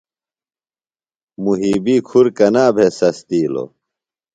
مُحیبی کُھر کنا بھے سستِیلوۡ؟